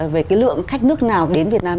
về cái lượng khách nước nào đến việt nam